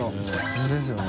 本当ですよね。